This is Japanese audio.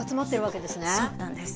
そうなんです。